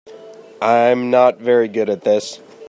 I'm not very good at this.